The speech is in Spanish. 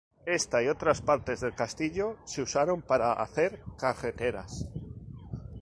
Esta y otras partes del castillo se usaron para hacer carreteras.